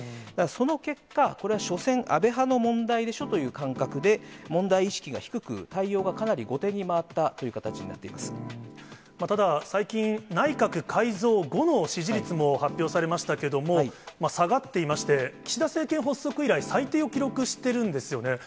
その結果、これはしょせん、安倍派の問題でしょという感覚で、問題意識が低く対応がかなり後手ただ、最近、内閣改造後の支持率も発表されましたけども、下がっていまして、岸田政権発足以来、最低を記録してるんですよね。